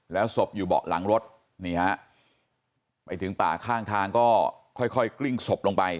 แล้วศพอยู่เบาะหลังรถนี่ฮะไปถึงป่าข้างทางก็ค่อยกลิ้งศพลงไป